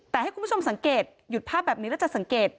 แต่ให้คุณผู้ชมสังเกตหยุดภาพแบบนี้แล้วจะสังเกต